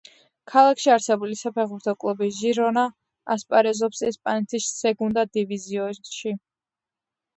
ქალაქში არსებული საფეხბურთო კლუბი „ჟირონა“ ასპარეზობს ესპანეთის სეგუნდა დივიზიონში.